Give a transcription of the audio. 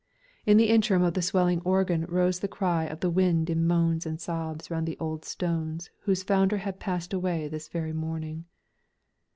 In the interim of the swelling organ rose the cry of the wind in moans and sobs round the old stones whose founder had passed away this very morning.